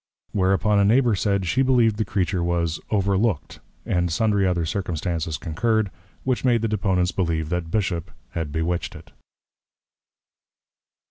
Whereupon a Neighbour said, she believed the Creature was Over looked; and sundry other Circumstances concurred, which made the Deponents believe that Bishop had bewitched it.